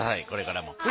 これからも。